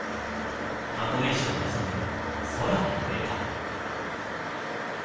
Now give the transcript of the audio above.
箱根路を望む空の上から。